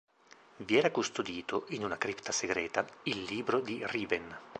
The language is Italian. Vi era custodito, in una cripta segreta, il libro di Riven.